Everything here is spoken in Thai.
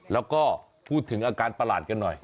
แล้วก็พูดถึงอาการประหลาดกันหน่อย